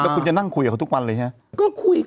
คุณจะนั่งคุยกับเขาทุกวันเลยใช่ไหม